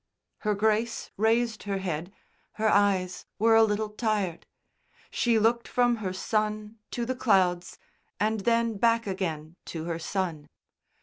'" Her Grace raised her head. Her eyes were a little tired. She looked from her son to the clouds, and then back again to her son.